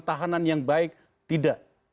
tahanan yang baik tidak